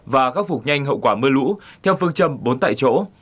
và khắc phục nhanh hậu quả mưa lũ theo phương châm bốn tại chỗ